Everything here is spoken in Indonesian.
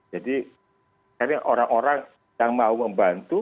jadi karena orang orang yang mau membantu